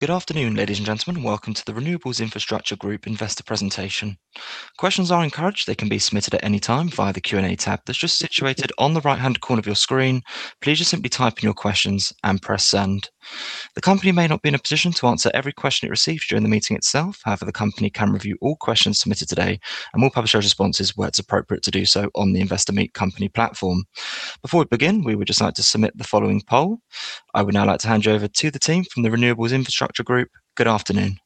Good afternoon, ladies and gentlemen. Welcome to The Renewables Infrastructure Group Investor Presentation. Questions are encouraged. They can be submitted at any time via the Q&A tab that's just situated on the right-hand corner of your screen. Please just simply type in your questions and press send. The company may not be in a position to answer every question it receives during the meeting itself. However, the company can review all questions submitted today and will publish our responses where it's appropriate to do so on the Investor Meet Company platform. Before we begin, we would just like to submit the following poll. I would now like to hand you over to the team from The Renewables Infrastructure Group. Good afternoon.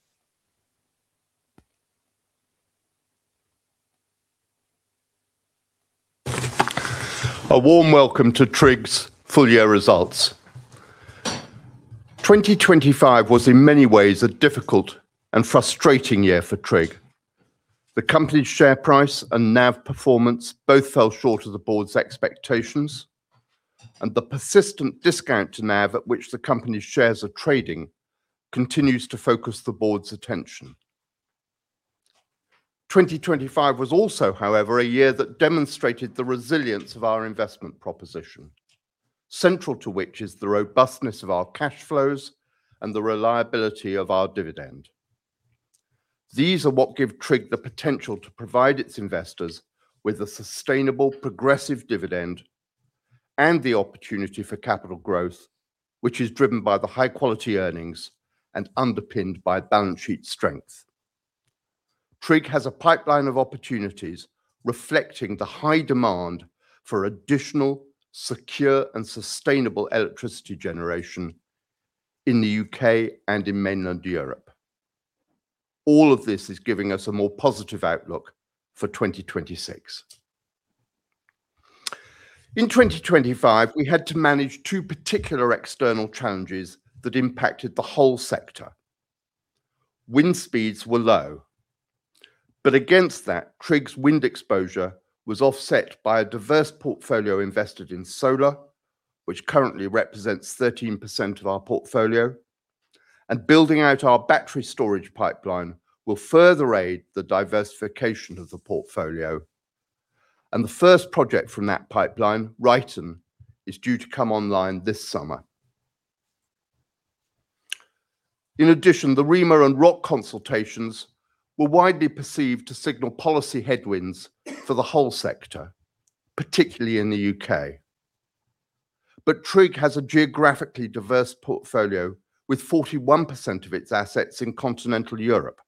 A warm welcome to TRIG's Full Year Results. 2025 was, in many ways, a difficult and frustrating year for TRIG. The company's share price and NAV performance both fell short of the board's expectations. The persistent discount to NAV at which the company's shares are trading continues to focus the board's attention. 2025 was also, however, a year that demonstrated the resilience of our investment proposition, central to which is the robustness of our cash flows and the reliability of our dividend. These are what give TRIG the potential to provide its investors with a sustainable, progressive dividend and the opportunity for capital growth, which is driven by the high-quality earnings and underpinned by balance sheet strength. TRIG has a pipeline of opportunities reflecting the high demand for additional secure and sustainable electricity generation in the U.K. and in mainland Europe. All of this is giving us a more positive outlook for 2026. In 2025, we had to manage two particular external challenges that impacted the whole sector. Wind speeds were low, but against that, TRIG's wind exposure was offset by a diverse portfolio invested in solar, which currently represents 13% of our portfolio, and building out our battery storage pipeline will further aid the diversification of the portfolio, and the first project from that pipeline, Ryton, is due to come online this summer. In addition, the REMA and ROC consultations were widely perceived to signal policy headwinds for the whole sector, particularly in the U.K. TRIG has a geographically diverse portfolio with 41% of its assets in continental Europe.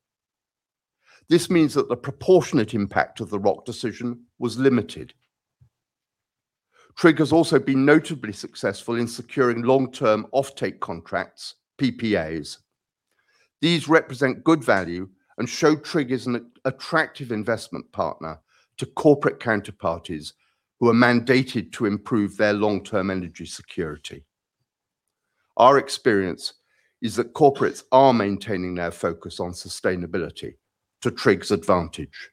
This means that the proportionate impact of the ROC decision was limited. TRIG has also been notably successful in securing long-term offtake contracts, PPAs. These represent good value and show TRIG is an attractive investment partner to corporate counterparties who are mandated to improve their long-term energy security. Our experience is that corporates are maintaining their focus on sustainability to TRIG's advantage.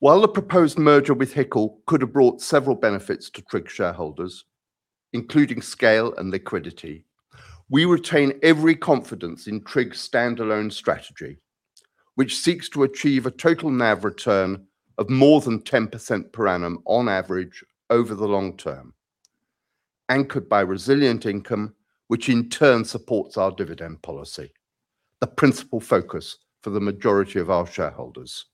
While the proposed merger with HICL could have brought several benefits to TRIG shareholders, including scale and liquidity, we retain every confidence in TRIG's standalone strategy, which seeks to achieve a total NAV return of more than 10% per annum on average over the long term, anchored by resilient income, which in turn supports our dividend policy, the principal focus for the majority of our shareholders.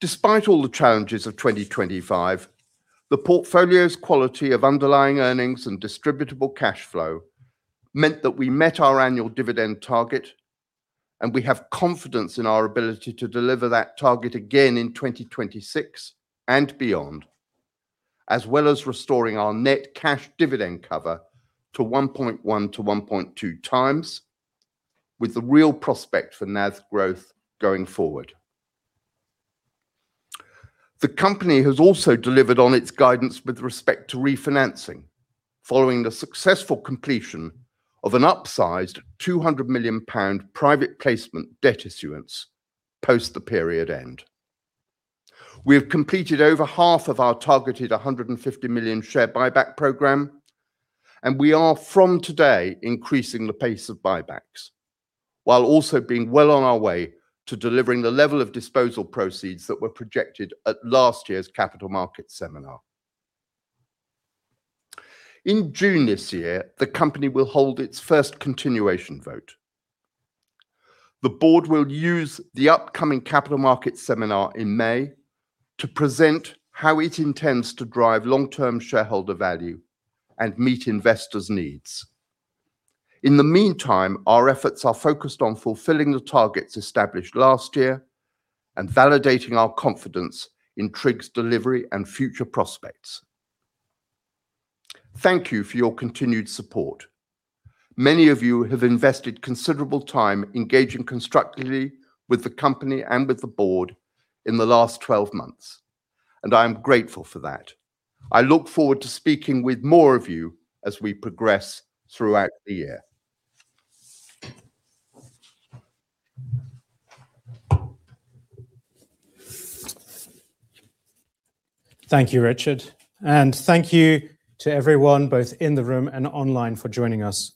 Despite all the challenges of 2025, the portfolio's quality of underlying earnings and distributable cash flow meant that we met our annual dividend target. We have confidence in our ability to deliver that target again in 2026 and beyond, as well as restoring our net cash dividend cover to 1.1x-1.2x, with the real prospect for NAV growth going forward. The company has also delivered on its guidance with respect to refinancing, following the successful completion of an upsized 200 million pound private placement debt issuance post the period end. We have completed over half of our targeted 150 million share buyback program. We are, from today, increasing the pace of buybacks, while also being well on our way to delivering the level of disposal proceeds that were projected at last year's Capital Markets Seminar. In June this year, the company will hold its first continuation vote. The board will use the upcoming Capital Markets Seminar in May to present how it intends to drive long-term shareholder value and meet investors' needs. In the meantime, our efforts are focused on fulfilling the targets established last year and validating our confidence in TRIG's delivery and future prospects. Thank you for your continued support. Many of you have invested considerable time engaging constructively with the company and with the board in the last 12 months. I am grateful for that. I look forward to speaking with more of you as we progress throughout the year. Thank you, Richard, and thank you to everyone, both in the room and online, for joining us.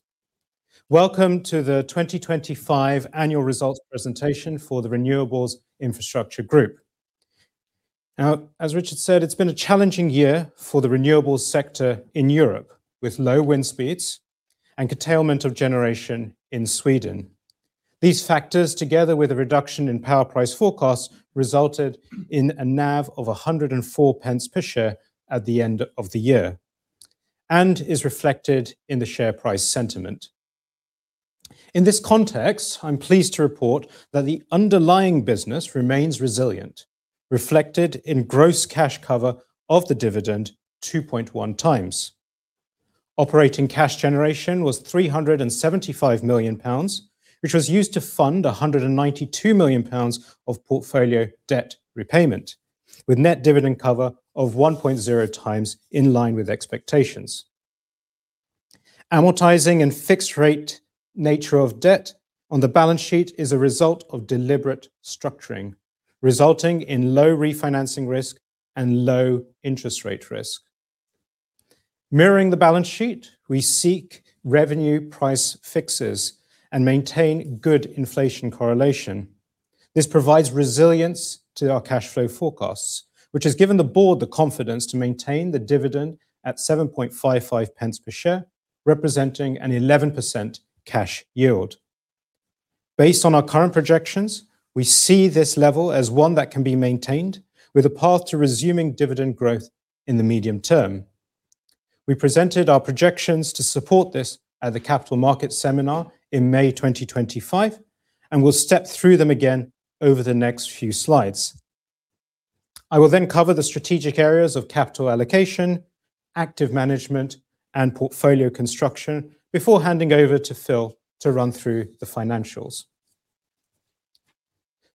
Welcome to the 2025 Annual Results Presentation for the Renewables Infrastructure Group. As Richard said, it's been a challenging year for the renewables sector in Europe, with low wind speeds and curtailment of generation in Sweden. These factors, together with a reduction in power price forecasts, resulted in a NAV of 1.04 per share at the end of the year and is reflected in the share price sentiment. In this context, I'm pleased to report that the underlying business remains resilient, reflected in gross cash cover of the dividend 2.1x. Operating cash generation was 375 million pounds, which was used to fund 192 million pounds of portfolio debt repayment, with net dividend cover of 1.0x, in line with expectations. Amortizing and fixed rate nature of debt on the balance sheet is a result of deliberate structuring, resulting in low refinancing risk and low interest rate risk. Mirroring the balance sheet, we seek revenue price fixes and maintain good inflation correlation. This provides resilience to our cash flow forecasts, which has given the board the confidence to maintain the dividend at 0.0755 per share, representing an 11% cash yield. Based on our current projections, we see this level as one that can be maintained with a path to resuming dividend growth in the medium term. We presented our projections to support this at the Capital Markets Seminar in May 2025, and we'll step through them again over the next few slides. I will then cover the strategic areas of capital allocation, active management, and portfolio construction before handing over to Phil to run through the financials.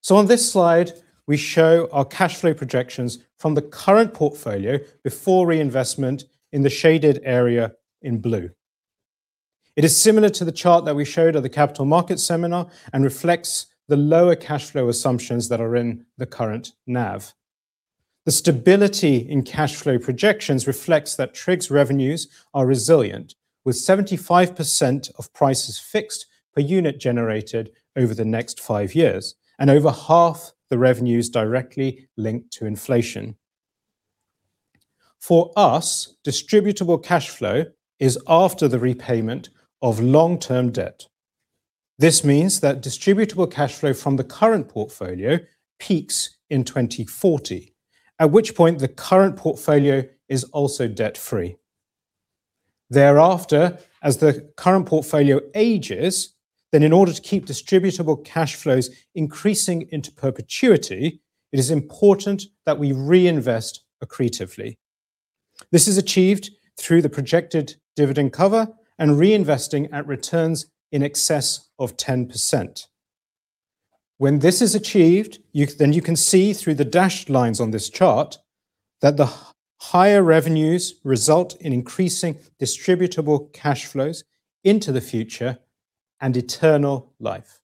On this slide, we show our cash flow projections from the current portfolio before reinvestment in the shaded area in blue. It is similar to the chart that we showed at the Capital Markets Seminar and reflects the lower cash flow assumptions that are in the current NAV. The stability in cash flow projections reflects that TRIG's revenues are resilient, with 75% of prices fixed per unit generated over the next five years, and over half the revenues directly linked to inflation. For us, distributable cash flow is after the repayment of long-term debt. This means that distributable cash flow from the current portfolio peaks in 2040, at which point the current portfolio is also debt-free. As the current portfolio ages, then in order to keep distributable cash flows increasing into perpetuity, it is important that we reinvest accretively. This is achieved through the projected dividend cover and reinvesting at returns in excess of 10%. When this is achieved, then you can see through the dashed lines on this chart, that the higher revenues result in increasing distributable cash flows into the future and eternal life.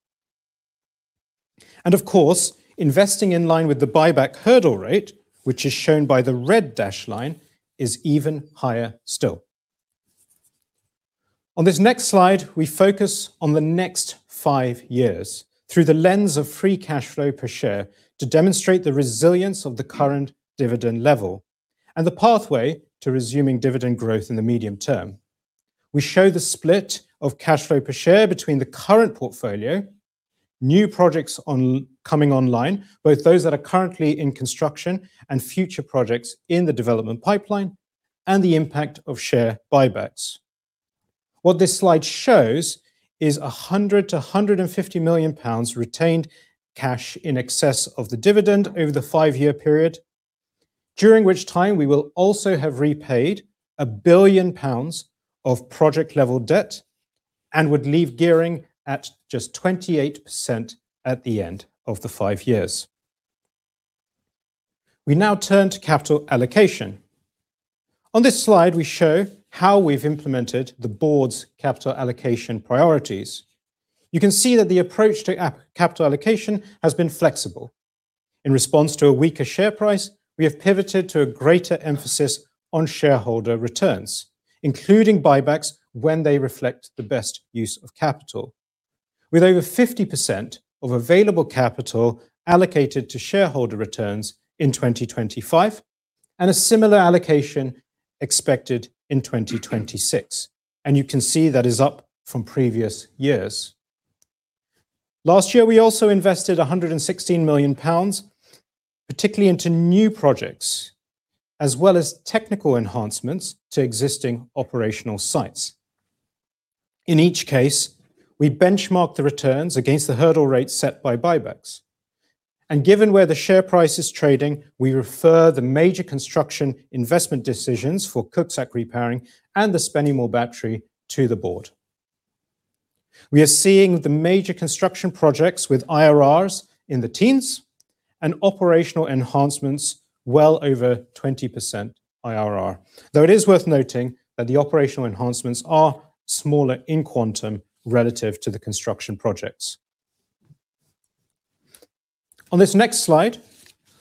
Of course, investing in line with the buyback hurdle rate, which is shown by the red dashed line, is even higher still. On this next slide, we focus on the next five years through the lens of Free Cash Flow per share to demonstrate the resilience of the current dividend level and the pathway to resuming dividend growth in the medium term. We show the split of cash flow per share between the current portfolio, new projects on, coming online, both those that are currently in construction and future projects in the development pipeline, and the impact of share buybacks. What this slide shows is 100 million-150 million pounds retained cash in excess of the dividend over the five-year period, during which time we will also have repaid 1 billion pounds of project-level debt and would leave gearing at just 28% at the end of the five years. We now turn to capital allocation. On this slide, we show how we've implemented the board's capital allocation priorities. You can see that the approach to capital allocation has been flexible. In response to a weaker share price, we have pivoted to a greater emphasis on shareholder returns, including buybacks, when they reflect the best use of capital. With over 50% of available capital allocated to shareholder returns in 2025 and a similar allocation expected in 2026. You can see that is up from previous years. Last year, we also invested 116 million pounds, particularly into new projects, as well as technical enhancements to existing operational sites. In each case, we benchmark the returns against the hurdle rate set by buybacks, and given where the share price is trading, we refer the major construction investment decisions for Cuxac repowering and the Spennymoor battery to the board. We are seeing the major construction projects with IRRs in the teens and operational enhancements well over 20% IRR. It is worth noting that the operational enhancements are smaller in quantum relative to the construction projects. On this next slide,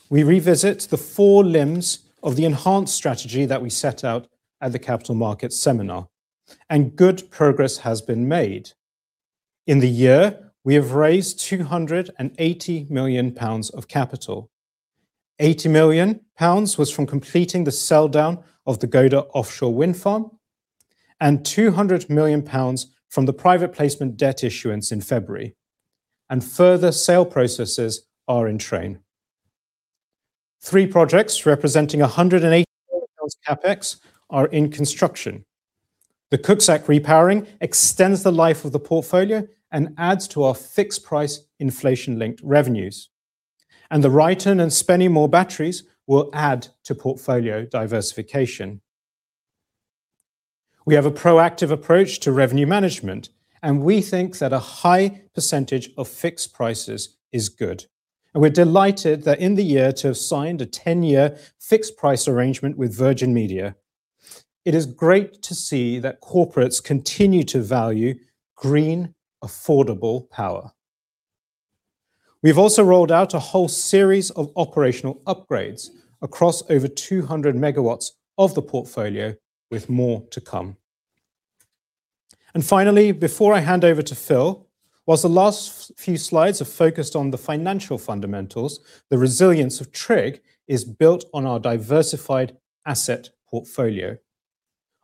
we revisit the four limbs of the enhanced strategy that we set out at the Capital Markets Seminar. Good progress has been made. In the year, we have raised 280 million pounds of capital. 80 million pounds was from completing the sell-down of the Gode offshore wind farm, 200 million pounds from the private placement debt issuance in February. Further sale processes are in train. Three projects, representing 180 million pounds CapEx, are in construction. The Cuxac repowering extends the life of the portfolio and adds to our fixed-price inflation-linked revenues. The Ryton and Spennymoor batteries will add to portfolio diversification. We have a proactive approach to revenue management, and we think that a high percentage of fixed prices is good. We're delighted that in the year to have signed a 10-year fixed price arrangement with Virgin Media. It is great to see that corporates continue to value green, affordable power. We've also rolled out a whole series of operational upgrades across over 200 MW of the portfolio, with more to come. Finally, before I hand over to Phil, whilst the last few slides have focused on the financial fundamentals, the resilience of TRIG is built on our diversified asset portfolio.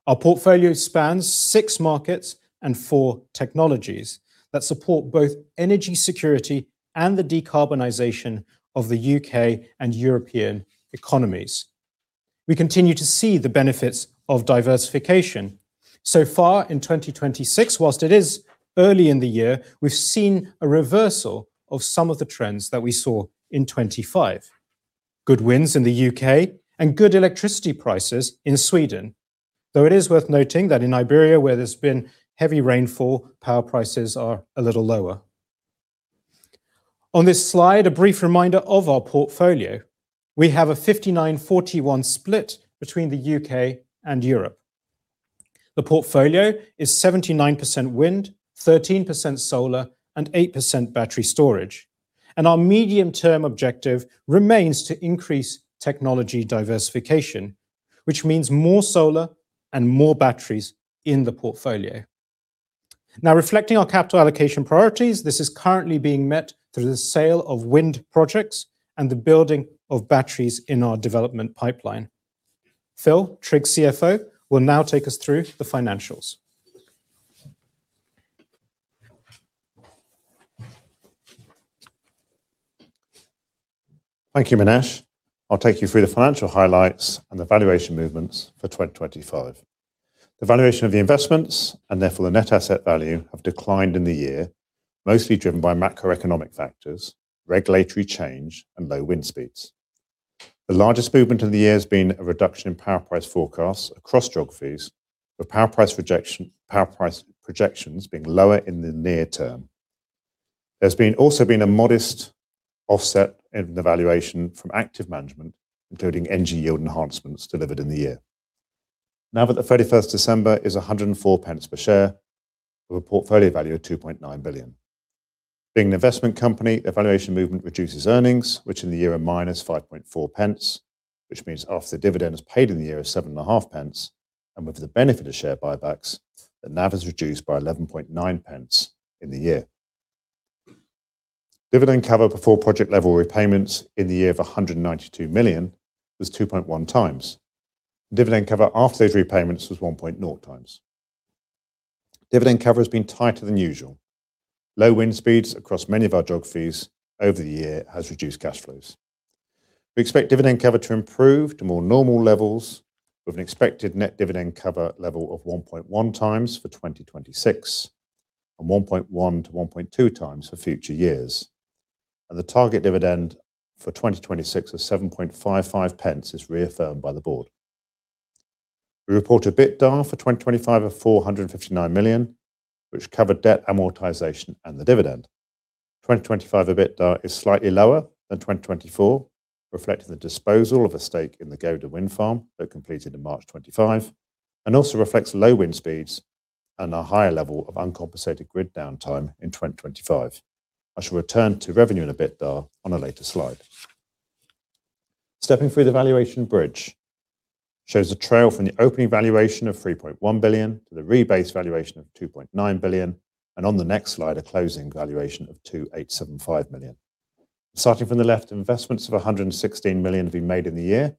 Our portfolio spans six markets and four technologies that support both energy security and the decarbonization of the U.K. and European economies. We continue to see the benefits of diversification. Far in 2026, whilst it is early in the year, we've seen a reversal of some of the trends that we saw in 2025. Good winds in the U.K. and good electricity prices in Sweden. It is worth noting that in Iberia, where there's been heavy rainfall, power prices are a little lower. On this slide, a brief reminder of our portfolio. We have a 59-41 split between the U.K. and Europe. The portfolio is 79% wind, 13% solar and 8% battery storage. Our medium-term objective remains to increase technology diversification, which means more solar and more batteries in the portfolio. Reflecting our capital allocation priorities, this is currently being met through the sale of wind projects and the building of batteries in our development pipeline. Phil, TRIG's CFO, will now take us through the financials. Thank you, Minesh. I'll take you through the financial highlights and the valuation movements for 2025. The valuation of the investments, and therefore the net asset value, have declined in the year, mostly driven by macroeconomic factors, regulatory change, and low wind speeds. The largest movement of the year has been a reduction in power price forecasts across geographies, with power price projections being lower in the near term. There's also been a modest offset in the valuation from active management, including energy yield enhancements delivered in the year. At the 31st December is 1.04 per share, with a portfolio value of 2.9 billion. Being an investment company, the valuation movement reduces earnings, which in the year are -5.4, which means after the dividend is paid in the year of seven and a half pence, and with the benefit of share buybacks, the NAV is reduced by 11.9 in the year. Dividend cover before project-level repayments in the year of 192 million was 2.1x. Dividend cover after those repayments was 1.0x. Dividend cover has been tighter than usual. Low wind speeds across many of our geographies over the year has reduced cash flows. We expect dividend cover to improve to more normal levels, with an expected net dividend cover level of 1.1x for 2026, and 1.1x-1.2x for future years. The target dividend for 2026 of 7.55 is reaffirmed by the board. We report a EBITDA for 2025 of 459 million, which covered debt amortization and the dividend. 2025, EBITDA is slightly lower than 2024, reflecting the disposal of a stake in the Gode wind farm that completed in March 2025, and also reflects low wind speeds and a higher level of uncompensated grid downtime in 2025. I shall return to revenue and EBITDA on a later slide. Stepping through the valuation bridge shows a trail from the opening valuation of 3.1 billion to the rebased valuation of 2.9 billion, and on the next slide, a closing valuation of 2,875 million. Starting from the left, investments of 116 million have been made in the year,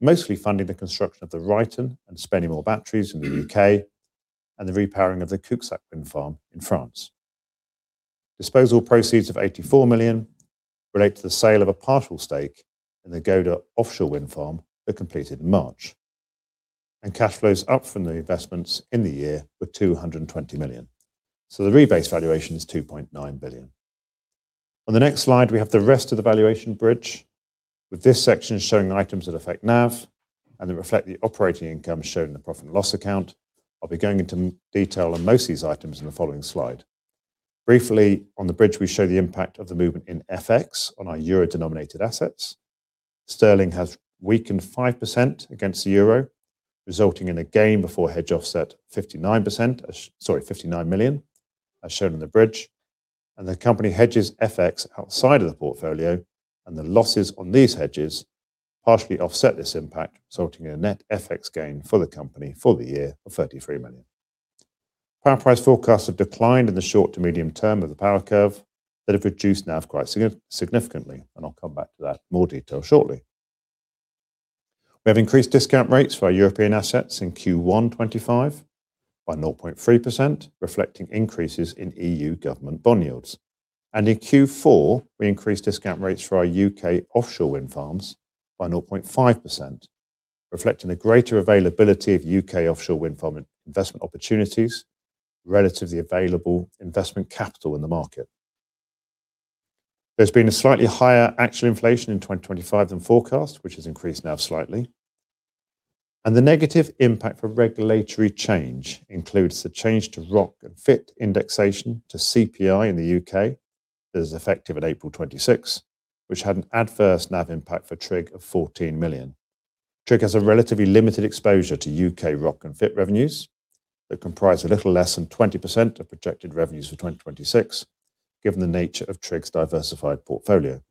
mostly funding the construction of the Ryton and Spennymoor batteries in the U.K. and the repowering of the Cuxac wind farm in France. Disposal proceeds of 84 million relate to the sale of a partial stake in the Gode offshore wind farm that completed in March. Cash flows up from the investments in the year were 220 million. The rebased valuation is 2.9 billion. On the next slide, we have the rest of the valuation bridge, with this section showing the items that affect NAV and that reflect the operating income shown in the profit and loss account. I'll be going into detail on most of these items in the following slide. Briefly, on the bridge, we show the impact of the movement in FX on our euro-denominated assets. Sterling has weakened 5% against the euro, resulting in a gain before hedge offset 59 million, as shown in the bridge. The company hedges FX outside of the portfolio, and the losses on these hedges partially offset this impact, resulting in a net FX gain for the company for the year of 33 million. Power price forecasts have declined in the short to medium term of the power curve that have reduced NAV quite significantly, and I'll come back to that in more detail shortly. We have increased discount rates for our European assets in Q1 2025 by 0.3%, reflecting increases in EU government bond yields. In Q4, we increased discount rates for our U.K. offshore wind farms by 0.5%, reflecting a greater availability of U.K. offshore wind farm investment opportunities, relatively available investment capital in the market. There's been a slightly higher actual inflation in 2025 than forecast, which has increased now slightly. The negative impact for regulatory change includes the change to ROC and FIT indexation to CPI in the U.K. That is effective at April 2026, which had an adverse NAV impact for TRIG of 14 million. TRIG has a relatively limited exposure to U.K. ROC and FIT revenues that comprise a little less than 20% of projected revenues for 2026, given the nature of TRIG's diversified portfolio.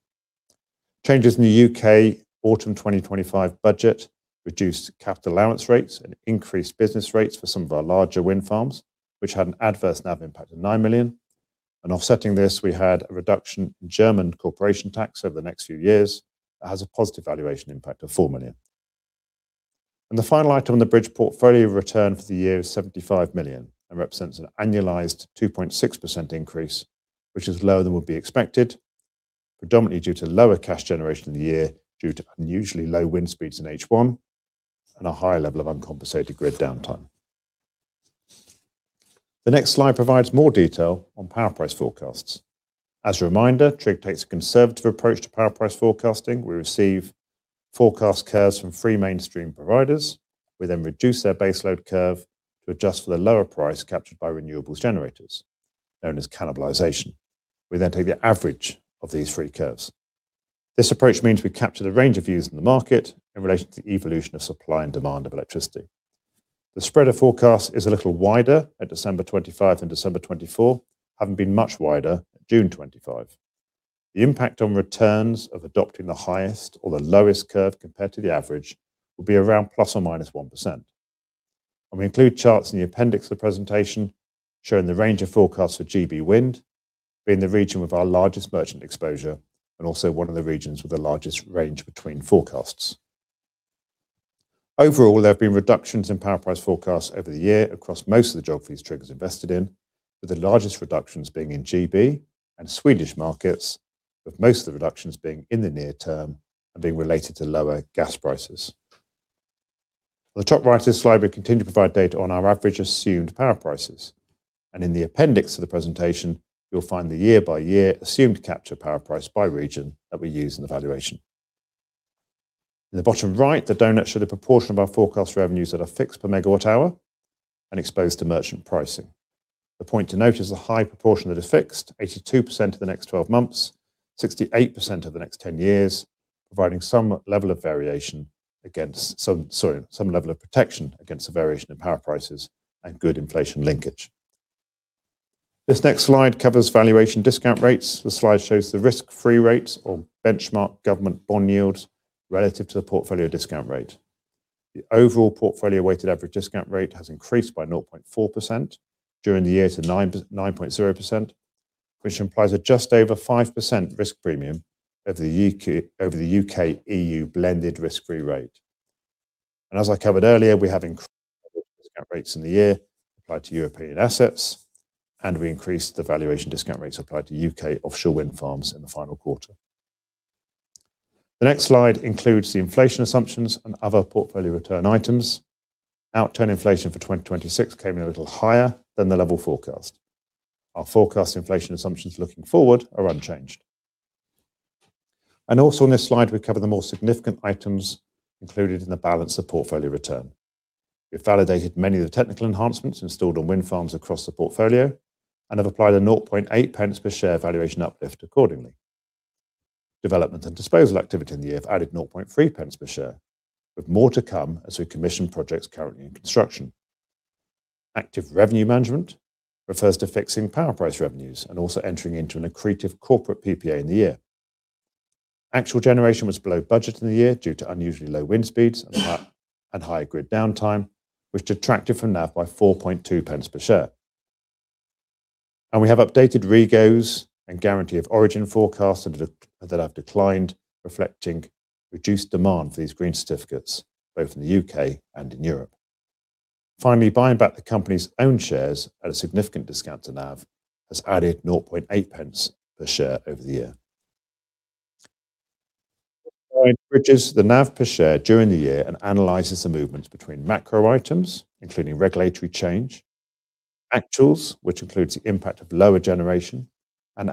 Changes in the U.K. autumn 2025 budget reduced capital allowance rates and increased business rates for some of our larger wind farms, which had an adverse NAV impact of 9 million. Offsetting this, we had a reduction in German corporation tax over the next few years. That has a positive valuation impact of 4 million. The final item on the bridge portfolio return for the year is 75 million and represents an annualized 2.6% increase, which is lower than would be expected, predominantly due to lower cash generation in the year, due to unusually low wind speeds in H1 and a higher level of uncompensated grid downtime. The next slide provides more detail on power price forecasts. As a reminder, TRIG takes a conservative approach to power price forecasting. We receive forecast curves from three mainstream providers. We reduce their base load curve to adjust for the lower price captured by renewables generators, known as cannibalization. We take the average of these three curves. This approach means we capture the range of views in the market in relation to the evolution of supply and demand of electricity. The spread of forecast is a little wider at December 2025 and December 2024, having been much wider at June 2025. The impact on returns of adopting the highest or the lowest curve compared to the average will be around ±1%. We include charts in the appendix of the presentation, showing the range of forecasts for GB wind being the region with our largest merchant exposure and also 1 of the regions with the largest range between forecasts. Overall, there have been reductions in power price forecasts over the year across most of the geographies TRIG has invested in, with the largest reductions being in GB and Swedish markets, with most of the reductions being in the near term and being related to lower gas prices. On the top right of this slide, we continue to provide data on our average assumed power prices. In the appendix of the presentation, you'll find the year-by-year assumed capture power price by region that we use in the valuation. In the bottom right, the donut should a proportion of our forecast revenues that are fixed per megawatt hour and exposed to merchant pricing. The point to note is the high proportion that is fixed, 82% of the next 12 months, 68% of the next 10 years, providing some level of variation against some... Sorry, some level of protection against the variation in power prices and good inflation linkage. This next slide covers valuation discount rates. The slide shows the risk-free rates or benchmark government bond yields relative to the portfolio discount rate. The overall portfolio weighted average discount rate has increased by 0.4% during the year to 9.0%, which implies a just over 5% risk premium over the U.K./EU blended risk-free rate. As I covered earlier, we have increased discount rates in the year applied to European assets, and we increased the valuation discount rates applied to U.K. offshore wind farms in the final quarter. The next slide includes the inflation assumptions and other portfolio return items. Outturn inflation for 2026 came in a little higher than the level forecast. Our forecast inflation assumptions looking forward are unchanged. Also on this slide, we cover the more significant items included in the balance of portfolio return. We've validated many of the technical enhancements installed on wind farms across the portfolio and have applied a 0.008 per share valuation uplift accordingly. Development and disposal activity in the year have added 0.003 per share, with more to come as we commission projects currently in construction. Active revenue management refers to fixing power price revenues and also entering into an accretive corporate PPA in the year. Actual generation was below budget in the year due to unusually low wind speeds and high grid downtime, which detracted from NAV by 0.042 per share. We have updated REGOs and Guarantee of Origin forecasts that have declined, reflecting reduced demand for these green certificates both in the U.K. and in Europe. Finally, buying back the company's own shares at a significant discount to NAV has added 0.8 per share over the year. Bridges the NAV per share during the year and analyzes the movements between macro items, including regulatory change, actuals, which includes the impact of lower generation and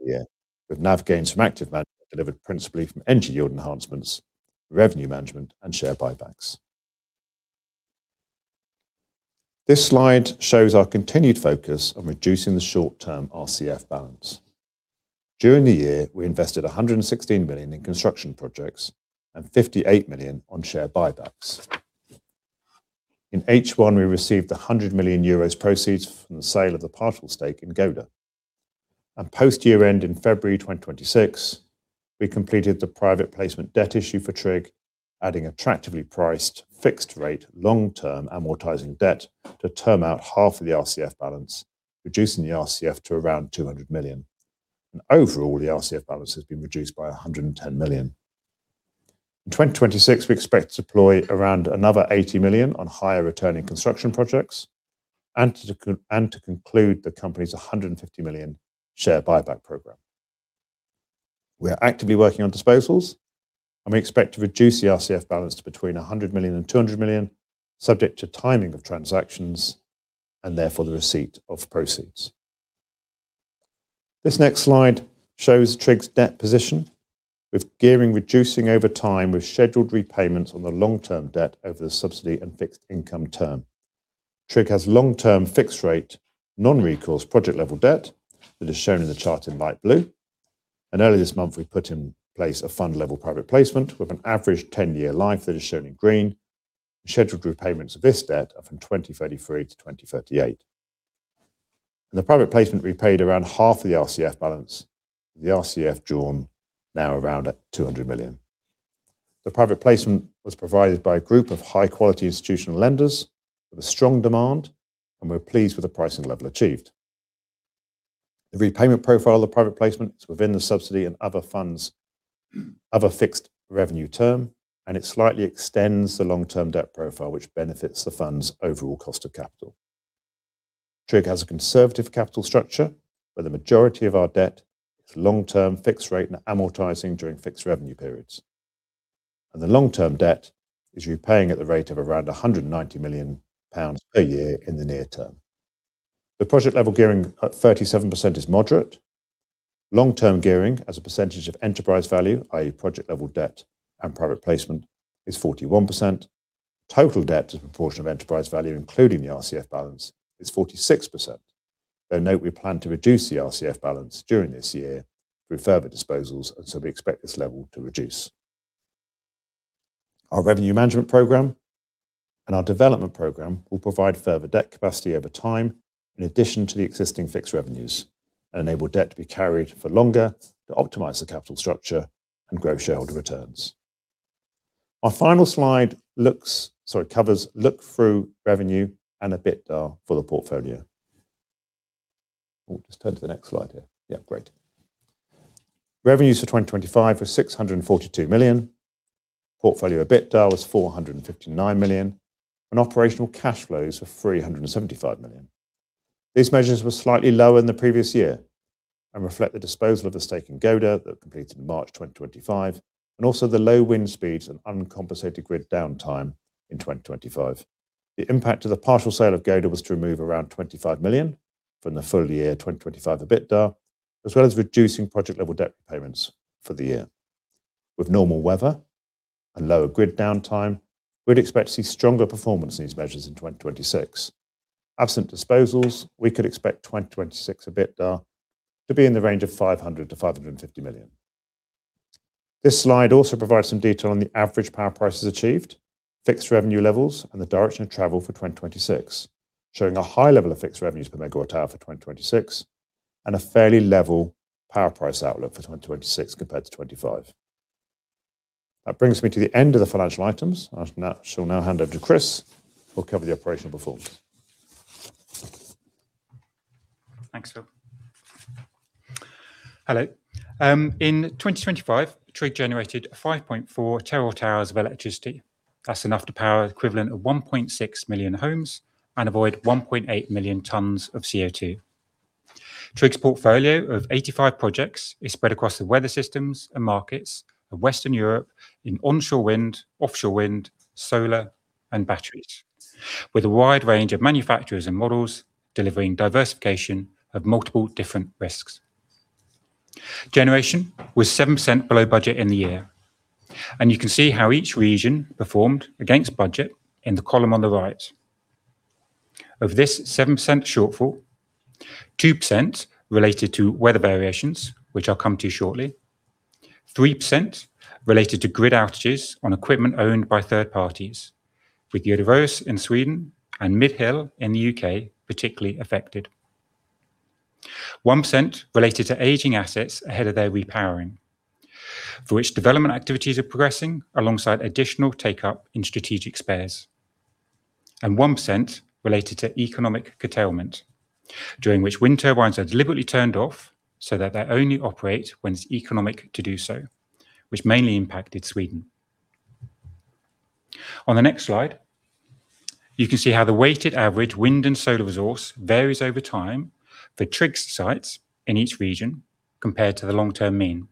year, with NAV gains from active management delivered principally from energy yield enhancements, revenue management, and share buybacks. This slide shows our continued focus on reducing the short-term RCF balance. During the year, we invested 116 million in construction projects and 58 million on share buybacks. In H1, we received 100 million euros proceeds from the sale of the partial stake in Gode. Post-year end in February 2026, we completed the private placement debt issue for TRIG, adding attractively priced, fixed rate, long-term amortizing debt to term out half of the RCF balance, reducing the RCF to around 200 million. Overall, the RCF balance has been reduced by 110 million. In 2026, we expect to deploy around another 80 million on higher returning construction projects and to conclude the company's 150 million share buyback program. We are actively working on disposals, and we expect to reduce the RCF balance to between 100 million and 200 million, subject to timing of transactions and therefore the receipt of proceeds. This next slide shows TRIG's debt position, with gearing reducing over time, with scheduled repayments on the long-term debt over the subsidy and fixed income term. TRIG has long-term, fixed-rate, non-recourse, project-level debt that is shown in the chart in light blue. Earlier this month, we put in place a fund-level private placement with an average 10-year life that is shown in green. Scheduled repayments of this debt are from 2033-2038. In the private placement, we paid around half of the RCF balance, the RCF drawn now around at 200 million. The private placement was provided by a group of high-quality institutional lenders with a strong demand, and we're pleased with the pricing level achieved. The repayment profile of the private placement is within the subsidy and other funds, other fixed revenue term, and it slightly extends the long-term debt profile, which benefits the fund's overall cost of capital. TRIG has a conservative capital structure, where the majority of our debt is long-term, fixed-rate, and amortizing during fixed revenue periods. The long-term debt is repaying at the rate of around 190 million pounds a year in the near term. The project-level gearing at 37% is moderate. Long-term gearing as a percentage of enterprise value, i.e., project-level debt and private placement, is 41%. Total debt as a proportion of enterprise value, including the RCF balance, is 46%. Note, we plan to reduce the RCF balance during this year through further disposals, and so we expect this level to reduce. Our revenue management program and our development program will provide further debt capacity over time, in addition to the existing fixed revenues, and enable debt to be carried for longer to optimize the capital structure and grow shareholder returns. Our final slide covers look-through revenue and EBITDA for the portfolio. Just turn to the next slide here. Great. Revenues for 2025 were 642 million, portfolio EBITDA was 459 million, and operational cash flows were 375 million. These measures were slightly lower than the previous year reflect the disposal of the stake in Gode that completed in March 2025, and also the low wind speeds and uncompensated grid downtime in 2025. The impact of the partial sale of Gode was to remove around 25 million from the full year 2025 EBITDA, as well as reducing project-level debt repayments for the year. With normal weather and lower grid downtime, we'd expect to see stronger performance in these measures in 2026. Absent disposals, we could expect 2026 EBITDA to be in the range of 500 million-550 million. This slide also provides some detail on the average power prices achieved, fixed revenue levels, and the direction of travel for 2026, showing a high level of fixed revenues per megawatt hour for 2026 and a fairly level power price outlook for 2026 compared to 2025. That brings me to the end of the financial items. I shall now hand over to Chris, who'll cover the operational performance. Thanks, Phil. Hello. In 2025, TRIG generated 5.4 TW hours of electricity. That's enough to power the equivalent of 1.6 million homes and avoid 1.8 million tons of CO2. TRIG's portfolio of 85 projects is spread across the weather systems and markets of Western Europe in onshore wind, offshore wind, solar, and batteries, with a wide range of manufacturers and models delivering diversification of multiple different risks. Generation was 7% below budget in the year, and you can see how each region performed against budget in the column on the right. Of this 7% shortfall, 2% related to weather variations, which I'll come to shortly. 3% related to grid outages on equipment owned by third parties, with Uddevalla in Sweden and Mid Hill in the U.K. particularly affected. 1% related to aging assets ahead of their repowering, for which development activities are progressing alongside additional take-up in strategic spares. 1% related to economic curtailment, during which wind turbines are deliberately turned off so that they only operate when it's economic to do so, which mainly impacted Sweden. On the next slide, you can see how the weighted average wind and solar resource varies over time for TRIG's sites in each region compared to the long-term mean.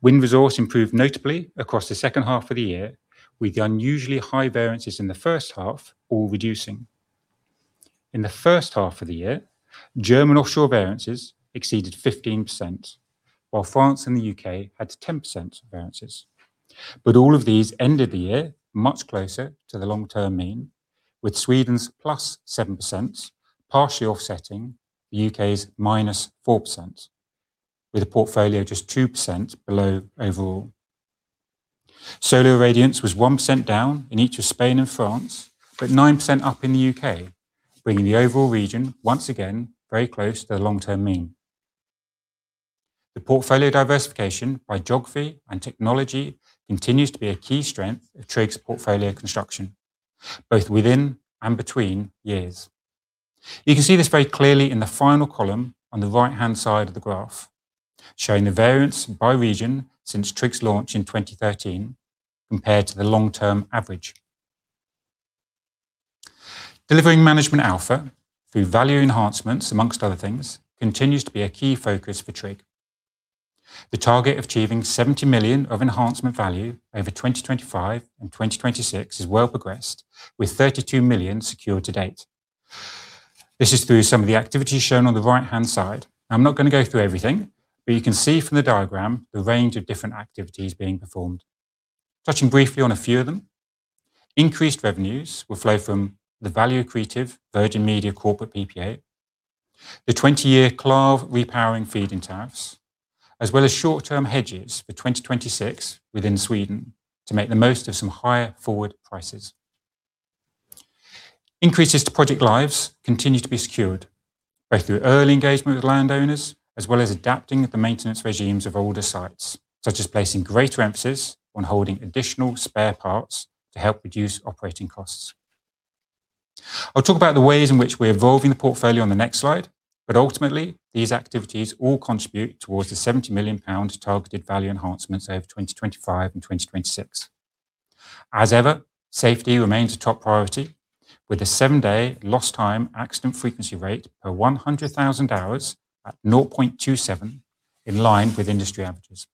Wind resource improved notably across the second half of the year, with the unusually high variances in the first half all reducing. In the first half of the year, German offshore variances exceeded 15%, while France and the U.K. had 10% variances. All of these ended the year much closer to the long-term mean, with Sweden's +7% partially offsetting the U.K.'s -4%. with the portfolio just 2% below overall. Solar irradiance was 1% down in each of Spain and France, but 9% up in the U.K., bringing the overall region once again, very close to the long-term mean. The portfolio diversification by geography and technology continues to be a key strength of TRIG's portfolio construction, both within and between years. You can see this very clearly in the final column on the right-hand side of the graph, showing the variance by region since TRIG's launch in 2013 compared to the long-term average. Delivering management alpha through value enhancements, amongst other things, continues to be a key focus for TRIG. The target of achieving 70 million of enhancement value over 2025 and 2026 is well progressed, with 32 million secured to date. This is through some of the activities shown on the right-hand side. I'm not going to go through everything, but you can see from the diagram the range of different activities being performed. Touching briefly on a few of them, increased revenues will flow from the value accretive Virgin Media corporate PPA, the 20-year Claves repowering feed-in tariffs, as well as short-term hedges for 2026 within Sweden to make the most of some higher forward prices. Increases to project lives continue to be secured, both through early engagement with landowners as well as adapting the maintenance regimes of older sites, such as placing greater emphasis on holding additional spare parts to help reduce operating costs. I'll talk about the ways in which we're evolving the portfolio on the next slide, but ultimately, these activities all contribute towards the 70 million pound targeted value enhancements over 2025 and 2026. As ever, safety remains a top priority, with a seven day lost time accident frequency rate per 100,000 hours at 0.27, in line with industry averages.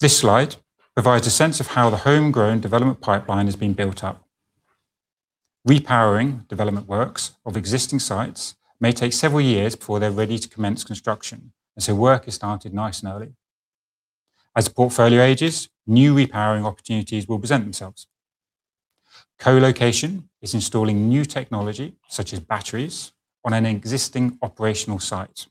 This slide provides a sense of how the homegrown development pipeline has been built up. Repowering development works of existing sites may take several years before they're ready to commence construction. Work has started nice and early. As the portfolio ages, new repowering opportunities will present themselves. Co-location is installing new technology, such as batteries, on an existing operational site.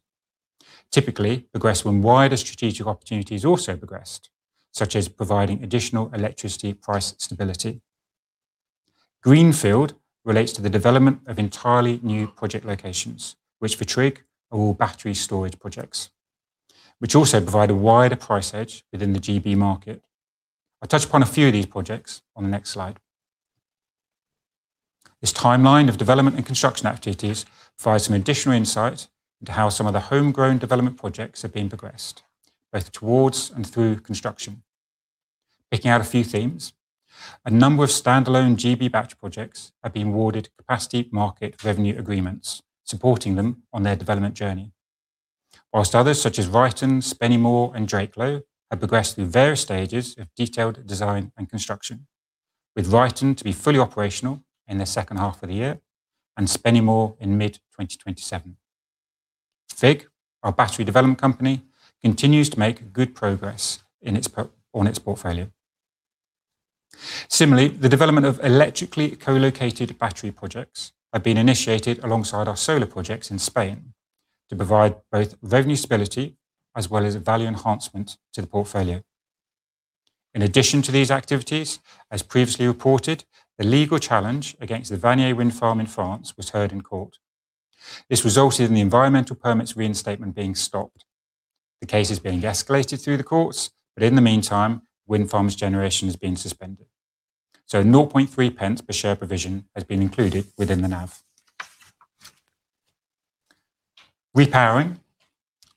Typically, progress when wider strategic opportunities also progressed, such as providing additional electricity price stability. Greenfield relates to the development of entirely new project locations, which for TRIG, are all battery storage projects, which also provide a wider price edge within the GB market. I touch upon a few of these projects on the next slide. This timeline of development and construction activities provides some additional insight into how some of the homegrown development projects have been progressed, both towards and through construction. Picking out a few themes, a number of standalone GB battery projects have been awarded capacity market revenue agreements, supporting them on their development journey. While others, such as Ryton, Spennymoor, and Drakelow, have progressed through various stages of detailed design and construction, with Ryton to be fully operational in the second half of the year and Spennymoor in mid-2027. Fig Power, our battery development company, continues to make good progress on its portfolio. The development of electrically co-located battery projects have been initiated alongside our solar projects in Spain to provide both revenue stability as well as a value enhancement to the portfolio. In addition to these activities, as previously reported, the legal challenge against the Vannier wind farm in France was heard in court. This resulted in the environmental permits reinstatement being stopped. The case is being escalated through the courts, but in the meantime, wind farm's generation has been suspended. 0.3 per share provision has been included within the NAV. Repowering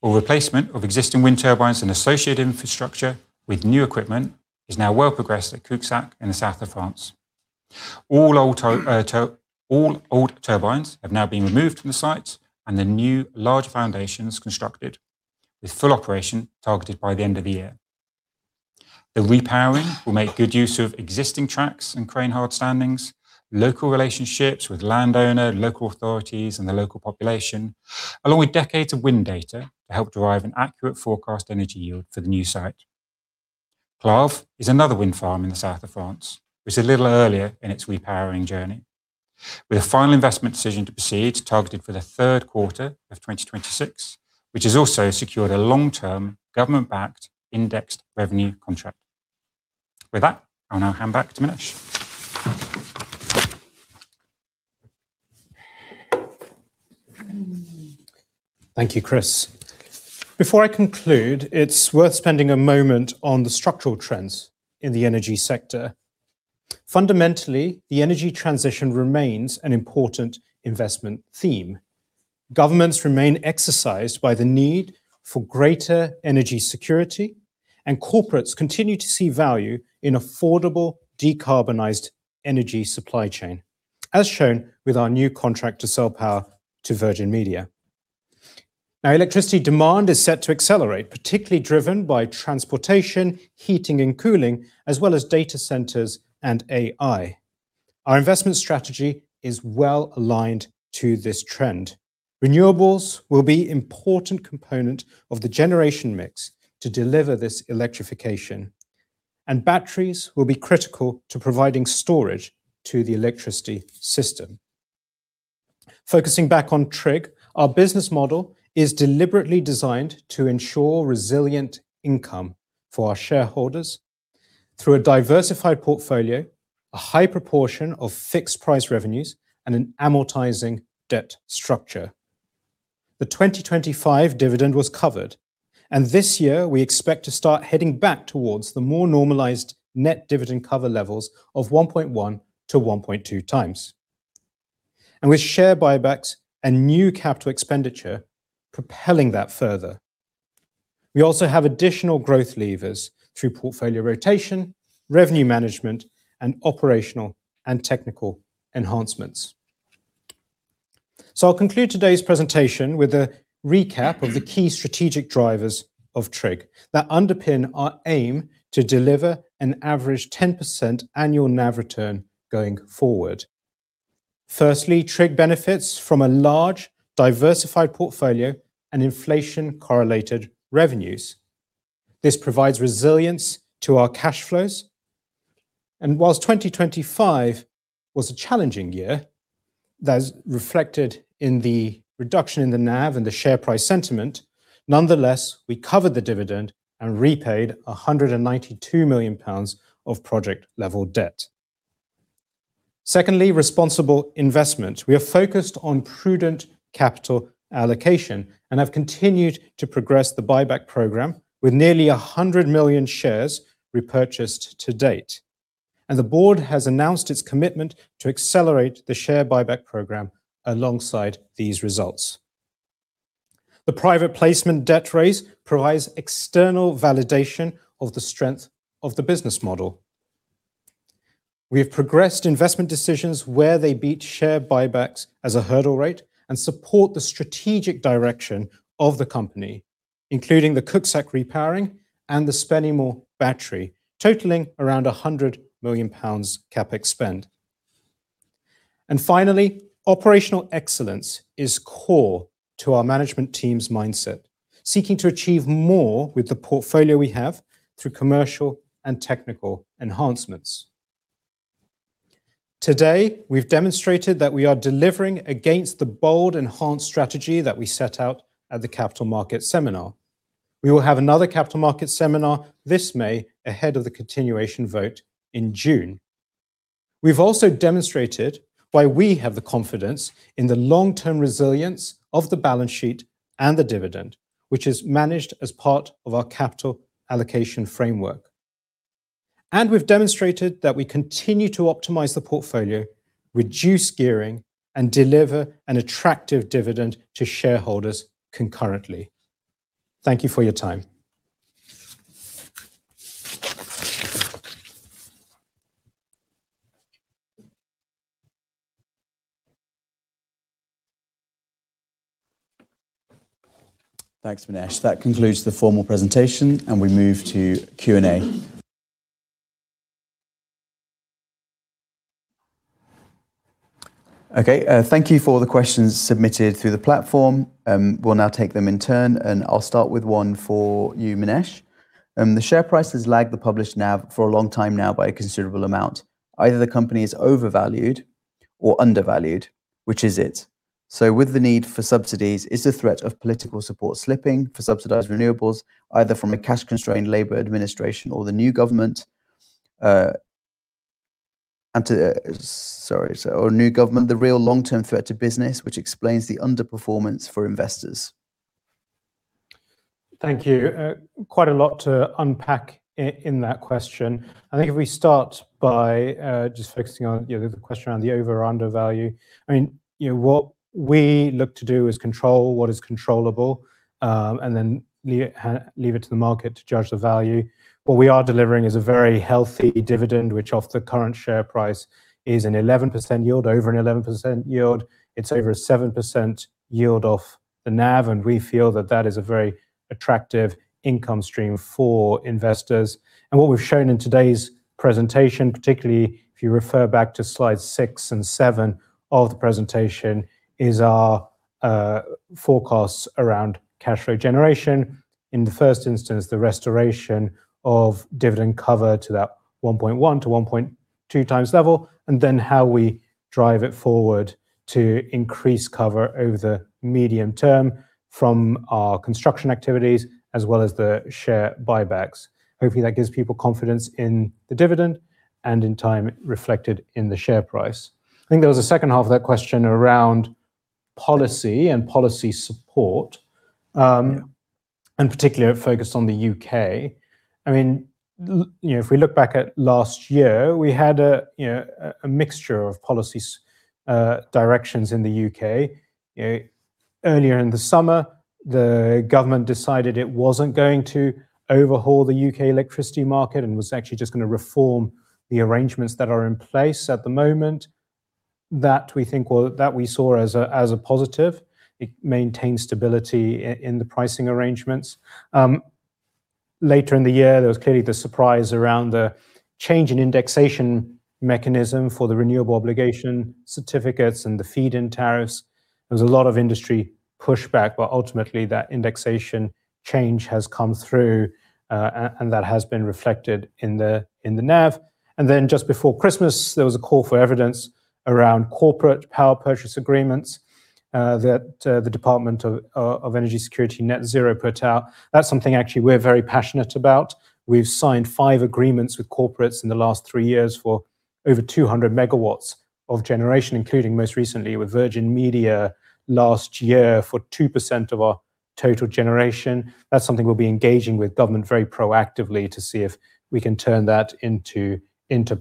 or replacement of existing wind turbines and associated infrastructure with new equipment is now well progressed at Cuxac in the south of France. All old turbines have now been removed from the site, and the new large foundations constructed, with full operation targeted by the end of the year. The repowering will make good use of existing tracks and crane hardstandings, local relationships with landowner, local authorities, and the local population, along with decades of wind data to help derive an accurate forecast energy yield for the new site. Claves is another wind farm in the south of France, which is a little earlier in its repowering journey, with a final investment decision to proceed targeted for the third quarter of 2026, which has also secured a long-term, government-backed, indexed revenue contract. With that, I'll now hand back to Minesh. Thank you, Chris. Before I conclude, it's worth spending a moment on the structural trends in the energy sector. Fundamentally, the energy transition remains an important investment theme. Governments remain exercised by the need for greater energy security, and corporates continue to see value in affordable, decarbonized energy supply chain, as shown with our new contract to sell power to Virgin Media. Electricity demand is set to accelerate, particularly driven by transportation, heating, and cooling, as well as data centers and AI. Our investment strategy is well aligned to this trend. Renewables will be important component of the generation mix to deliver this electrification. Batteries will be critical to providing storage to the electricity system. Focusing back on TRIG, our business model is deliberately designed to ensure resilient income for our shareholders through a diversified portfolio, a high proportion of fixed price revenues, and an amortizing debt structure. The 2025 dividend was covered. This year we expect to start heading back towards the more normalized net dividend cover levels of 1.1x-1.2x. With share buybacks and new capital expenditure propelling that further, we also have additional growth levers through portfolio rotation, revenue management, and operational and technical enhancements. I'll conclude today's presentation with a recap of the key strategic drivers of TRIG that underpin our aim to deliver an average 10% annual NAV return going forward. Firstly, TRIG benefits from a large, diversified portfolio and inflation-correlated revenues. This provides resilience to our cash flows. Whilst 2025 was a challenging year, that is reflected in the reduction in the NAV and the share price sentiment, nonetheless, we covered the dividend and repaid 192 million pounds of project-level debt. Secondly, responsible investment. We are focused on prudent capital allocation and have continued to progress the buyback program, with nearly 100 million shares repurchased to date. The board has announced its commitment to accelerate the share buyback program alongside these results. The private placement debt raise provides external validation of the strength of the business model. We have progressed investment decisions where they beat share buybacks as a hurdle rate and support the strategic direction of the company, including the Cuxac repowering and the Spennymoor battery, totaling around 100 million pounds CapEx spend. Finally, operational excellence is core to our management team's mindset, seeking to achieve more with the portfolio we have through commercial and technical enhancements. Today, we've demonstrated that we are delivering against the bold, enhanced strategy that we set out at the Capital Markets Seminar. We will have another Capital Markets Seminar this May, ahead of the continuation vote in June. We've also demonstrated why we have the confidence in the long-term resilience of the balance sheet and the dividend, which is managed as part of our capital allocation framework. We've demonstrated that we continue to optimize the portfolio, reduce gearing and deliver an attractive dividend to shareholders concurrently. Thank you for your time. Thanks, Minesh. That concludes the formal presentation, and we move to Q&A. Thank you for the questions submitted through the platform. We'll now take them in turn, and I'll start with one for you, Minesh. The share price has lagged the published NAV for a long time now by a considerable amount. Either the company is overvalued or undervalued, which is it? With the need for subsidies, is the threat of political support slipping for subsidized renewables, either from a cash-constrained Labor administration or the new government, the real long-term threat to business, which explains the underperformance for investors? Thank you. Quite a lot to unpack in that question. I think if we start by just focusing on, you know, the question around the over or undervalue. I mean, you know, what we look to do is control what is controllable, and then leave it to the market to judge the value. What we are delivering is a very healthy dividend, which, off the current share price, is an 11% yield, over an 11% yield. It's over a 7% yield off the NAV, and we feel that that is a very attractive income stream for investors. What we've shown in today's presentation, particularly if you refer back to slides six and seven of the presentation, is our forecasts around cash flow generation. In the first instance, the restoration of dividend cover to that 1.1x-1.2x level, and then how we drive it forward to increase cover over the medium term from our construction activities, as well as the share buybacks. Hopefully, that gives people confidence in the dividend and, in time, reflected in the share price. I think there was a second half of that question around policy and policy support. Yeah Particularly focused on the U.K. I mean, you know, if we look back at last year, we had a, you know, a mixture of policy directions in the U.K. You know, earlier in the summer, the government decided it wasn't going to overhaul the U.K. electricity market and was actually just gonna reform the arrangements that are in place at the moment. That we saw as a positive. It maintained stability in the pricing arrangements. Later in the year, there was clearly the surprise around the change in indexation mechanism for the Renewable Obligation Certificates and the feed-in tariffs. There was a lot of industry pushback, but ultimately that indexation change has come through, and that has been reflected in the NAV. Just before Christmas, there was a call for evidence around corporate power purchase agreements that the Department for Energy Security and Net Zero put out. That's something actually we're very passionate about. We've signed five agreements with corporates in the last three years for over 200 MW of generation, including most recently with Virgin Media last year, for 2% of our total generation. That's something we'll be engaging with government very proactively to see if we can turn that into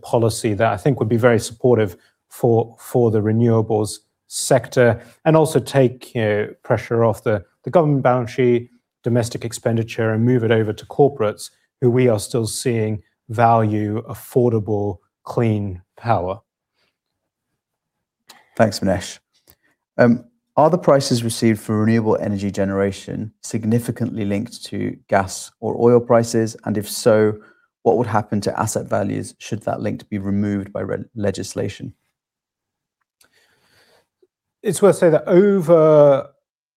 policy. That, I think, would be very supportive for the renewables sector and also take pressure off the government balance sheet, domestic expenditure, and move it over to corporates, who we are still seeing value, affordable, clean power. Thanks, Minesh. Are the prices received for renewable energy generation significantly linked to gas or oil prices? If so, what would happen to asset values should that link be removed by legislation? It's worth saying that over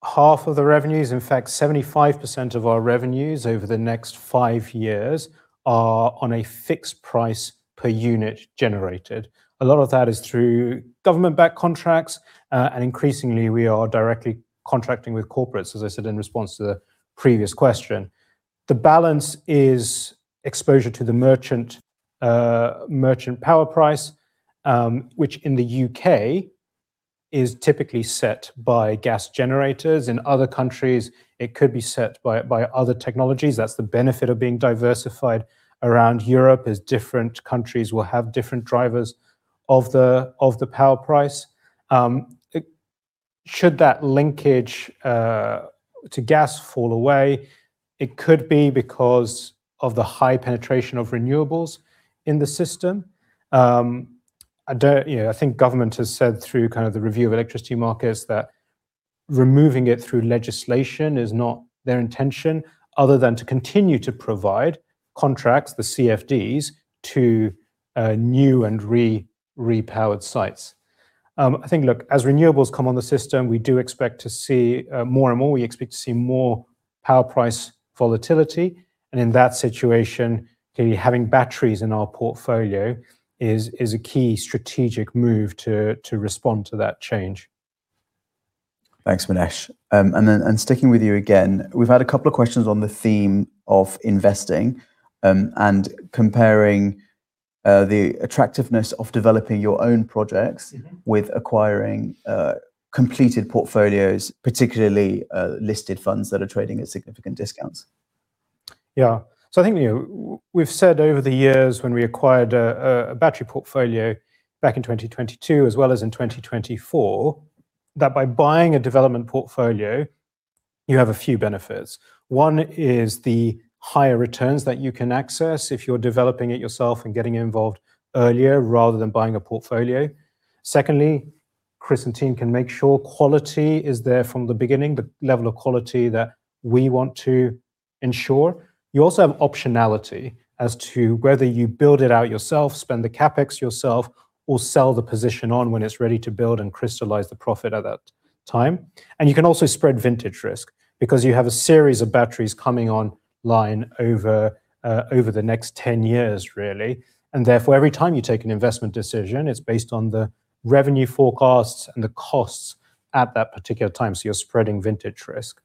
half of the revenues, in fact, 75% of our revenues over the next five years, are on a fixed price per unit generated. A lot of that is through government-backed contracts, and increasingly, we are directly contracting with corporates, as I said in response to the previous question. The balance is exposure to the merchant merchant power price, which in the U.K. is typically set by gas generators. In other countries, it could be set by other technologies. That's the benefit of being diversified around Europe, is different countries will have different drivers of the power price. Should that linkage to gas fall away, it could be because of the high penetration of renewables in the system. I don't... You know, I think government has said through kind of the review of electricity markets, that removing it through legislation is not their intention other than to continue to provide contracts, the CFDs, to new and repowered sites. I think, look, as renewables come on the system, we do expect to see more and more, we expect to see more power price volatility, and in that situation, clearly, having batteries in our portfolio is a key strategic move to respond to that change. Thanks, Minesh. Sticking with you again, we've had a couple of questions on the theme of investing, and comparing, the attractiveness of developing your own projects- Mm-hmm. with acquiring, completed portfolios, particularly, listed funds that are trading at significant discounts. I think, you know, we've said over the years when we acquired a battery portfolio back in 2022 as well as in 2024, that by buying a development portfolio, you have a few benefits. One is the higher returns that you can access if you're developing it yourself and getting involved earlier, rather than buying a portfolio. Secondly, Chris and team can make sure quality is there from the beginning, the level of quality that we want to ensure. You also have optionality as to whether you build it out yourself, spend the CapEx yourself, or sell the position on when it's ready to build and crystallize the profit at that time. You can also spread vintage risk, because you have a series of batteries coming online over the next 10 years, really. Therefore, every time you take an investment decision, it's based on the revenue forecasts and the costs at that particular time, so you're spreading vintage risk.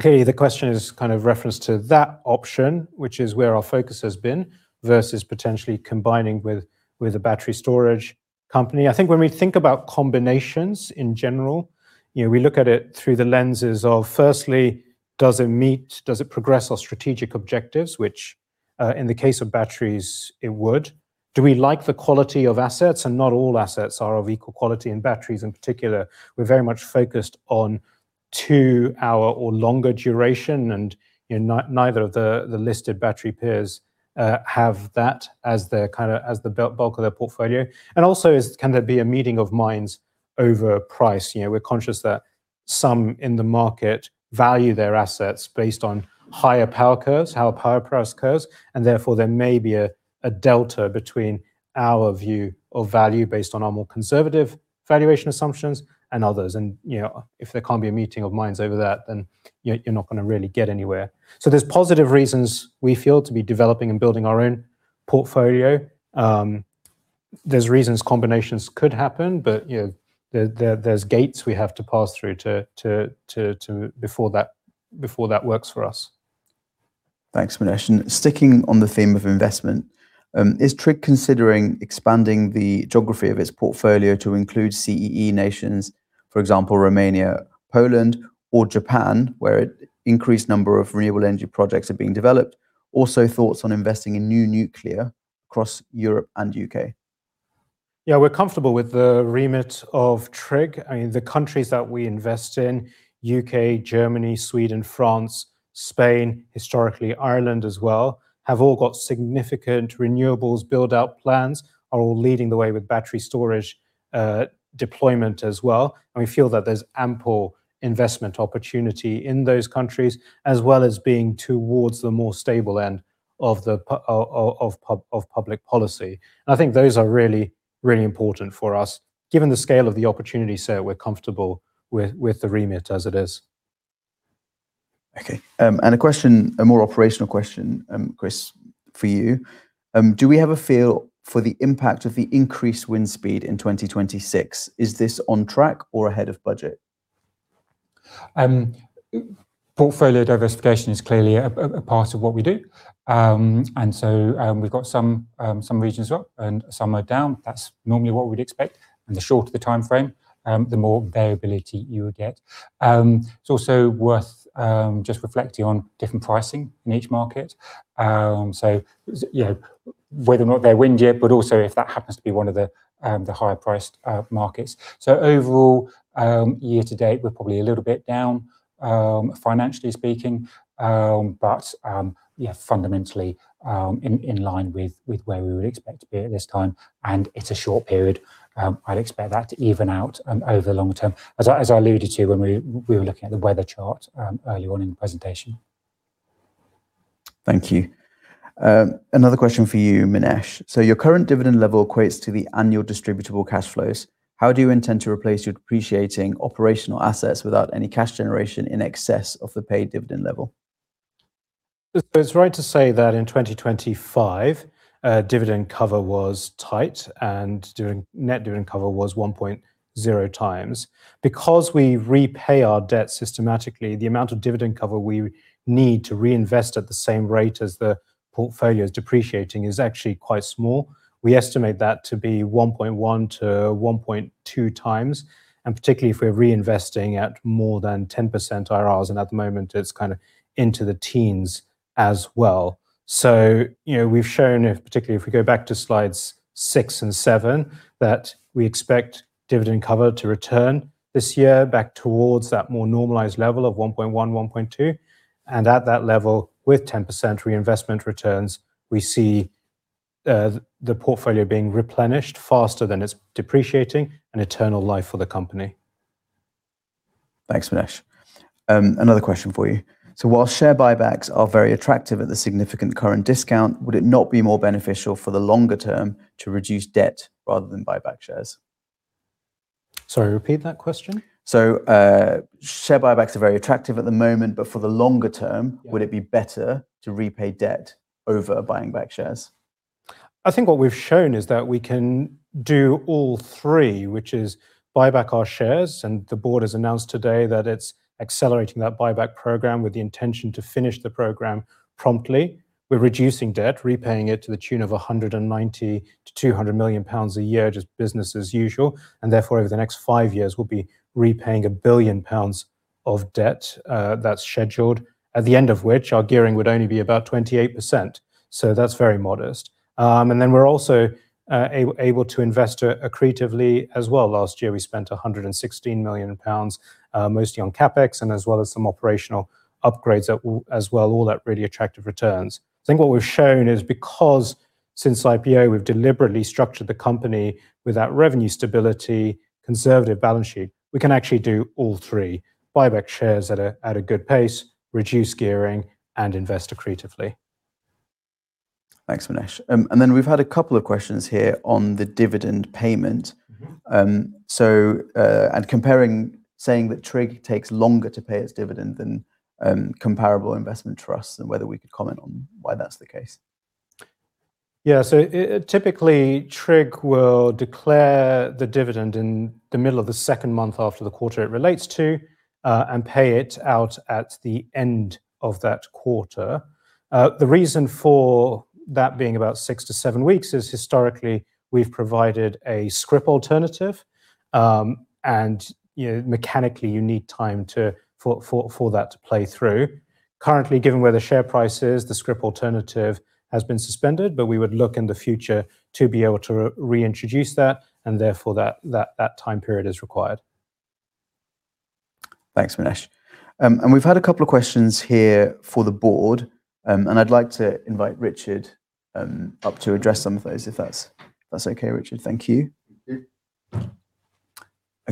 Clearly, the question is kind of referenced to that option, which is where our focus has been, versus potentially combining with a battery storage company. I think when we think about combinations in general, you know, we look at it through the lenses of, firstly, does it meet, does it progress our strategic objectives? Which, in the case of batteries, it would. Do we like the quality of assets? Not all assets are of equal quality. In batteries in particular, we're very much focused on two-hour or longer duration, and, you know, neither of the listed battery peers have that as their kinda, as the bulk of their portfolio. Also, can there be a meeting of minds over price? You know, we're conscious that some in the market value their assets based on higher power curves, higher power price curves, and therefore, there may be a delta between our view of value based on our more conservative valuation assumptions and others. You know, if there can't be a meeting of minds over that, then you're not gonna really get anywhere. There's positive reasons we feel to be developing and building our own portfolio. There's reasons combinations could happen, but, you know, there's gates we have to pass through. Before that works for us. Thanks, Minesh. Sticking on the theme of investment, is TRIG considering expanding the geography of its portfolio to include CEE nations, for example, Romania, Poland, or Japan, where an increased number of renewable energy projects are being developed? Also, thoughts on investing in new nuclear across Europe and U.K. Yeah, we're comfortable with the remit of TRIG. I mean, the countries that we invest in, U.K., Germany, Sweden, France, Spain, historically Ireland as well, have all got significant renewables build-out plans, are all leading the way with battery storage deployment as well, and we feel that there's ample investment opportunity in those countries, as well as being towards the more stable end of public policy. I think those are really, really important for us. Given the scale of the opportunity, we're comfortable with the remit as it is. Okay. A question, a more operational question, Chris, for you. Do we have a feel for the impact of the increased wind speed in 2026? Is this on track or ahead of budget? Portfolio diversification is clearly a part of what we do. We've got some regions up and some are down. That's normally what we'd expect, and the shorter the timeframe, the more variability you would get. It's also worth just reflecting on different pricing in each market. You know, whether or not they're windier, but also if that happens to be one of the higher priced markets. Overall, year to date, we're probably a little bit down financially speaking. Yeah, fundamentally, in line with where we would expect to be at this time, and it's a short period. I'd expect that to even out, over the long term, as I alluded to when we were looking at the weather chart, earlier on in the presentation. Thank you. Another question for you, Minesh. Your current dividend level equates to the annual distributable cash flows. How do you intend to replace your depreciating operational assets without any cash generation in excess of the paid dividend level? It's right to say that in 2025, dividend cover was tight. Net dividend cover was 1.0x. Because we repay our debts systematically, the amount of dividend cover we need to reinvest at the same rate as the portfolio is depreciating is actually quite small. We estimate that to be 1.1x-1.2x, and particularly if we're reinvesting at more than 10% IRRs, and at the moment, it's kinda into the teens as well. You know, we've shown, if, particularly if we go back to slides six and seven, that we expect dividend cover to return this year back towards that more normalized level of 1.1.2, and at that level, with 10% reinvestment returns, we see the portfolio being replenished faster than it's depreciating, and eternal life for the company. Thanks, Minesh. Another question for you. While share buybacks are very attractive at the significant current discount, would it not be more beneficial for the longer term to reduce debt rather than buy back shares? Sorry, repeat that question? Share buybacks are very attractive at the moment, but for the longer term. Yeah would it be better to repay debt over buying back shares? I think what we've shown is that we can do all three, which is buy back our shares. The board has announced today that it's accelerating that buyback program with the intention to finish the program promptly. We're reducing debt, repaying it to the tune of 190 million-200 million pounds a year, just business as usual. Therefore, over the next five years, we'll be repaying 1 billion pounds of debt. That's scheduled, at the end of which, our gearing would only be about 28%, so that's very modest. Then we're also able to invest accretively as well. Last year, we spent 116 million pounds, mostly on CapEx, and as well as some operational upgrades as well, all at really attractive returns. I think what we've shown is, because since IPO, we've deliberately structured the company without revenue stability, conservative balance sheet, we can actually do all three: buy back shares at a good pace, reduce gearing, and invest accretively. Thanks, Minesh. Then we've had a couple of questions here on the dividend payment. Mm-hmm. Comparing, saying that TRIG takes longer to pay its dividend than comparable investment trusts, and whether we could comment on why that's the case. Typically, TRIG will declare the dividend in the middle of the second month after the quarter it relates to and pay it out at the end of that quarter. The reason for that being about six to seven weeks is, historically, we've provided a scrip alternative. You know, mechanically, you need time for that to play through. Currently, given where the share price is, the scrip alternative has been suspended, but we would look in the future to be able to reintroduce that, and therefore, that time period is required. Thanks, Minesh. We've had a couple of questions here for the board. I'd like to invite Richard up to address some of those, if that's okay, Richard. Thank you. Thank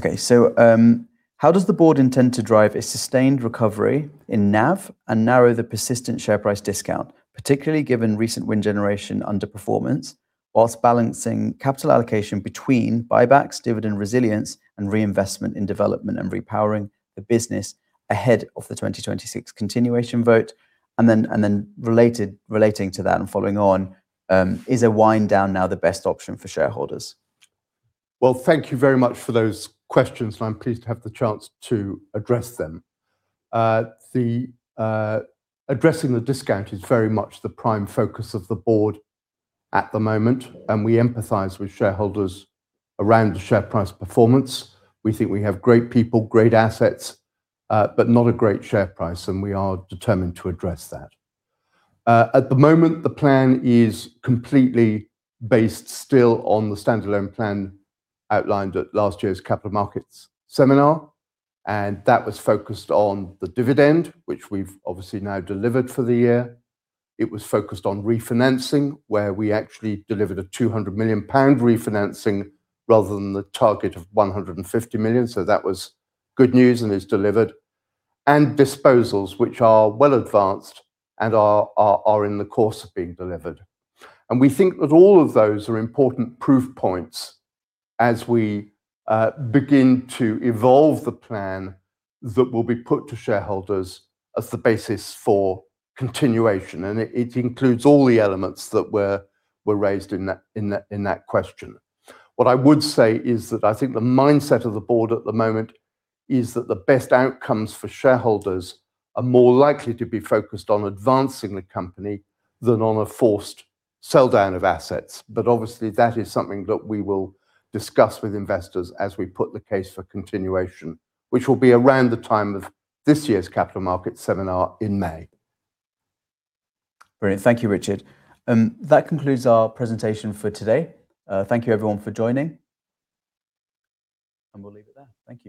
you. How does the board intend to drive a sustained recovery in NAV and narrow the persistent share price discount, particularly given recent wind generation underperformance, while balancing capital allocation between buybacks, dividend resilience, and reinvestment in development and repowering the business ahead of the 2026 continuation vote? Related, relating to that and following on, is a wind down now the best option for shareholders? Well, thank you very much for those questions, and I'm pleased to have the chance to address them. The addressing the discount is very much the prime focus of the board at the moment, and we empathize with shareholders around the share price performance. We think we have great people, great assets, but not a great share price, and we are determined to address that. At the moment, the plan is completely based still on the standalone plan outlined at last year's Capital Markets Seminar, and that was focused on the dividend, which we've obviously now delivered for the year. It was focused on refinancing, where we actually delivered a 200 million pound refinancing, rather than the target of 150 million, that was good news and is delivered. Disposals, which are well advanced and are in the course of being delivered. We think that all of those are important proof points as we begin to evolve the plan that will be put to shareholders as the basis for continuation, and it includes all the elements that were raised in that question. What I would say is that I think the mindset of the board at the moment is that the best outcomes for shareholders are more likely to be focused on advancing the company than on a forced sell down of assets. Obviously, that is something that we will discuss with investors as we put the case for continuation, which will be around the time of this year's Capital Markets Seminar in May. Brilliant. Thank you, Richard. That concludes our presentation for today. Thank you everyone for joining. We'll leave it there. Thank you.